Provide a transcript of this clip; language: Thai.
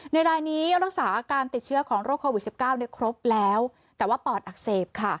รายนี้รักษาอาการติดเชื้อของโรคโควิด๑๙ครบแล้วแต่ว่าปอดอักเสบค่ะ